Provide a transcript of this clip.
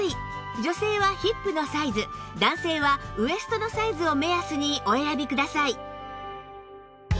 女性はヒップのサイズ男性はウエストのサイズを目安にお選びください